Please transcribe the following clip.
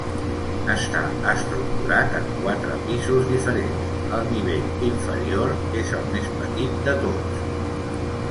Està estructurat en quatre pisos diferents; el nivell inferior és el més petit de tots.